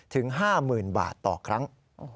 ถึง๕๐๐๐บาทต่อครั้ง